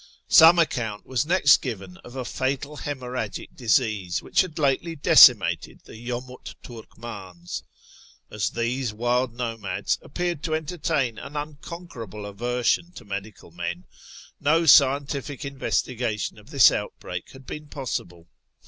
Some account was next given of a fatal hgemorrhagic disease which had lately decimated the Yomut Turkmi'ins. As these wild nomads appeared to entertain an unconquerable aversion to medical men, no scientific investigation of this outbreak had been possible.